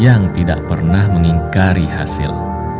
yang tidak pernah mengingkari hasil